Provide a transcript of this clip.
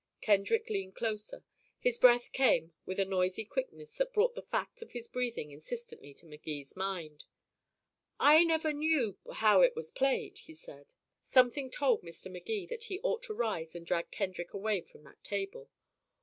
Kendrick leaned closer. His breath came with a noisy quickness that brought the fact of his breathing insistently to Magee's mind. "I never knew how it was played," he said. Something told Mr. Magee that he ought to rise and drag Kendrick away from that table.